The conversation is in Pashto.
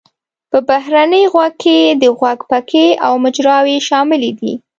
په بهرني غوږ کې د غوږ پکې او مجراوې شاملې دي.